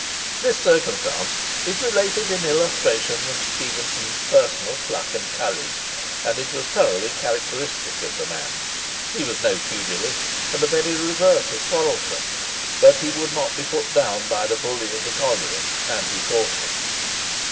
This circumstance is related in illustration of Stephenson's personal pluck and courage; and it was thoroughly characteristic of the man. He was no pugilist, and the very reverse of quarrelsome. But he would not be put down by the bully of the colliery, and he fought him.